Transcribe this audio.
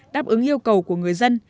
đáp ứng yêu cầu của người dân